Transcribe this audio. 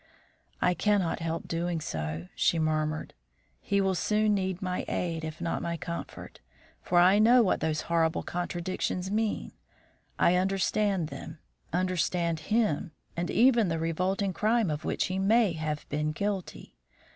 "I cannot help doing so," she murmured. "He will soon need my aid, if not my comfort; for I know what these horrible contradictions mean. I understand them, understand him, and even the revolting crime of which he may have been guilty.